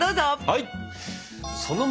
はい！